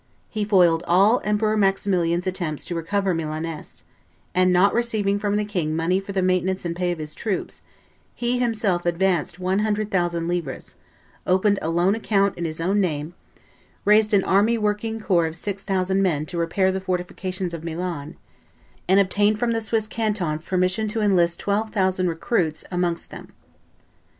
He foiled all Emperor Maximilian's attempts to recover Milaness; and, not receiving from the king money for the maintenance and pay of his troops, he himself advanced one hundred thousand livres, opened a loan account in his own name, raised an army working corps of six thousand men to repair the fortifications of Milan, and obtained from the Swiss cantons permission to enlist twelve thousand recruits amongst them.